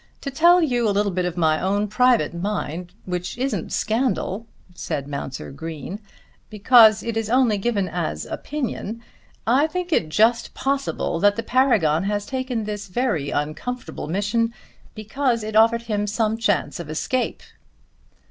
To tell you a little bit of my own private mind, which isn't scandal," said Mounser Green, "because it is only given as opinion, I think it just possible that the Paragon has taken this very uncomfortable mission because it offered him some chance of escape."